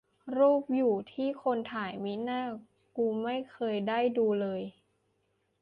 รูปอยู่ที่คนถ่าย มิน่า กูไม่เคยได้ดูเลย